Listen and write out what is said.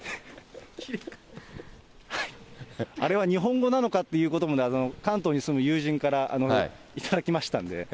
あれは日本語なのかというのも、関東に住む友人から頂きましたんで。